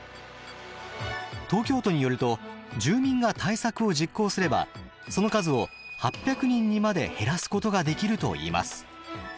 東京都によると住民が対策を実行すればその数を８００人にまで減らすことができるといいます。